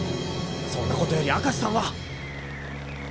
そんなことより明石さんは？